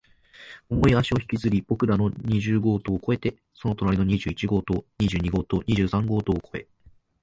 重い足を引きずり、僕らの二十号棟を越えて、その隣の二十一号棟、二十二号棟、二十三号棟を越え、